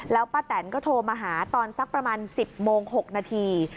แล้วป้าแตนก็โทรมาหาตอนสักประมาณ๑๐โมง๖นาที